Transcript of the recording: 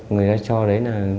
người ta cho đấy là